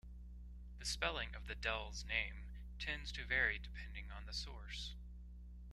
The spelling of the dell's name tends to vary depending on the source.